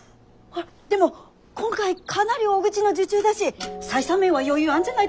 でも今回かなり大口の受注だし採算面は余裕あんじゃないですか？